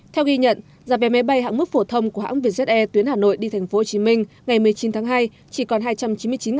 theo ghi nhận giá vé máy bay hãng mức phổ thông của hãng vietjet air tuyến hà nội đi tp hcm ngày một mươi chín tháng hai chỉ còn hai trăm chín mươi chín đồng